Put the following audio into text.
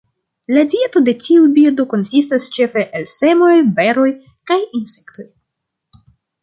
La dieto de tiu birdo konsistas ĉefe el semoj, beroj kaj insektoj.